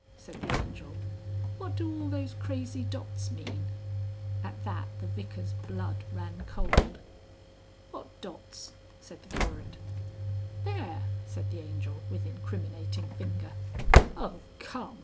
said the Angel. "What do all those crazy dots mean?" (At that the Vicar's blood ran cold.) "What dots?" said the Curate. "There!" said the Angel with incriminating finger. "Oh come!"